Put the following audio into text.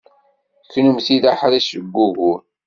Kennemti d aḥric seg ugur.